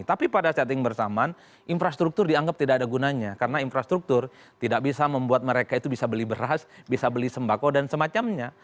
tapi pada setting bersamaan infrastruktur dianggap tidak ada gunanya karena infrastruktur tidak bisa membuat mereka itu bisa beli beras bisa beli sembako dan semacamnya